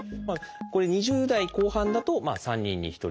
これ２０代後半だと３人に１人。